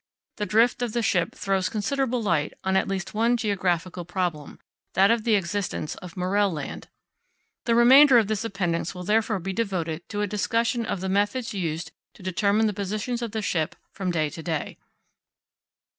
The drift of the ship throws considerable light on at least one geographical problem, that of the existence of Morrell Land. The remainder of this appendix will therefore be devoted to a discussion of the methods used to determine the positions of the ship from day to day.